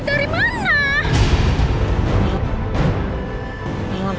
dari mana kamu dapat uang